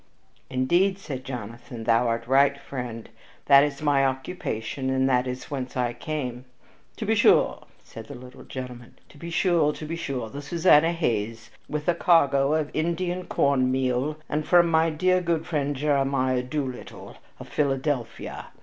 "Indeed," said Jonathan, "thou art right, friend. That is my occupation, and that is whence I came." "To be sure!" said the little gentleman. "To be sure! To be sure! The Susanna Hayes, with a cargo of Indian corn meal, and from my dear good friend Jeremiah Doolittle, of Philadelphia.